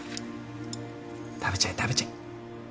食べちゃえ食べちゃえ。